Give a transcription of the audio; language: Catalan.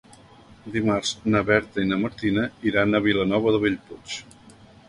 Dimarts na Berta i na Martina iran a Vilanova de Bellpuig.